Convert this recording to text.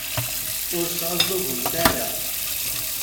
Ur sεuẓẓugemt ara.